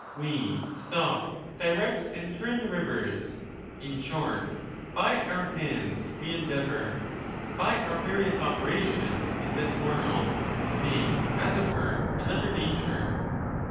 We stop, direct, and turn the rivers : in short, by our hands we endeavor, by our various operations in this world, to make, as it were, another nature.